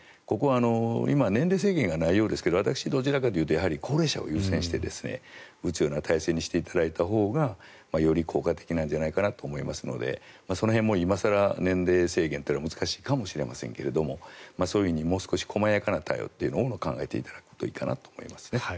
ここは今年齢制限がないようですが私はどちらかというと高齢者を優先して打つような体制にしていただいたほうがより効果的なんじゃないかと思いますのでその辺も今更年齢制限というのは難しいかもしれませんがそういうふうにもう少し細やかな対応を考えていただくといいかなと思いますね。